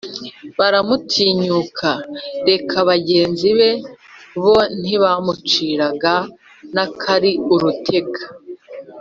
baramutinyuka: reka bagenzi be, bo ntibamuciraga n'akari urutega;